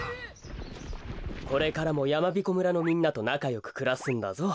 これからもやまびこ村のみんなとなかよくくらすんだぞ。